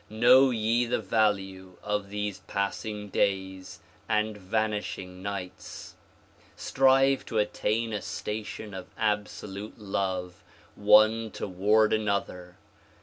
Know ye the value of these passing days and vanishing nights. Strive to attain a station of absolute love one toward another.